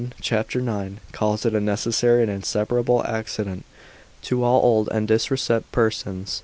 cap. 9, calls it a necessary and inseparable accident, to all old and decrepit persons.